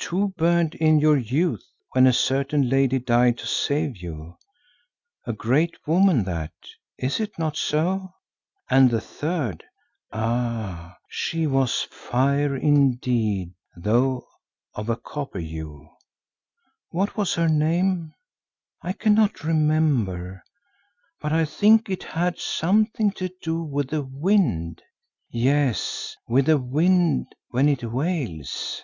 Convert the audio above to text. Two burned in your youth when a certain lady died to save you, a great woman that, is it not so? And the third, ah! she was fire indeed, though of a copper hue. What was her name? I cannot remember, but I think it had something to do with the wind, yes, with the wind when it wails."